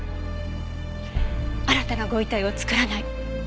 新たなご遺体を作らない。